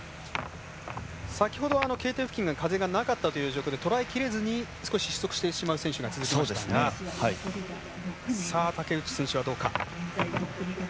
先ほどはＫ点付近が風がなかったという状況でとらえきれずに少し失速してしまう選手が続きましたが、竹内選手はどうか。